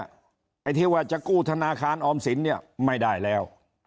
ไอ้ที่ว่าจะกู้ธนาคารออมสินเนี่ยไม่ได้แล้ว